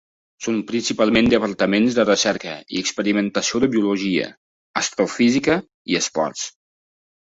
Són principalment departaments de recerca i experimentació de biologia, astrofísica i esports.